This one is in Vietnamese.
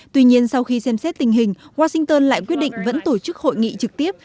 tuy nhiên sau khi xem xét tình hình washington lại quyết định vẫn tổ chức hội nghị trực tiếp